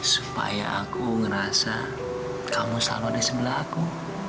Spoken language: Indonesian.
supaya aku ngerasa kamu selalu ada sebelah aku